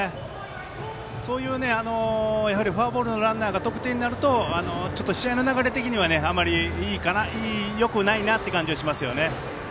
そういうフォアボールのランナーが得点になると試合の流れ的にはよくないなっていう感じがしますよね。